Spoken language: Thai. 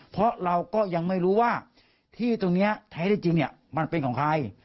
เพราะเราก็ยังไม่รู้ว่าที่ตรงนี้แท้ได้จริงมันเป็นของใคร